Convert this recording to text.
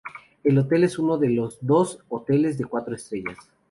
El hotel es uno de los dos hoteles de cuatro estrellas.